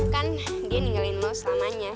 kan dia ninggalin lo selamanya